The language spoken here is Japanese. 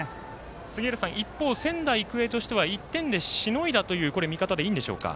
杉浦さん、一方仙台育英としては１点でしのいだという見方でいいんでしょうか？